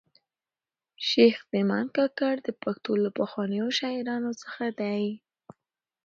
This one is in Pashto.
شېخ تیمن کاکړ د پښتو له پخوانیو شاعرانو څخه دﺉ.